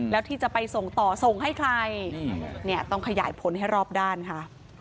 แล้วที่จะไปส่งต่อส่งให้ใครเนี่ยต้องขยายผลให้รอบด้านค่ะ